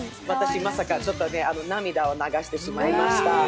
私、まさか、ちょっと涙を流してしまいました。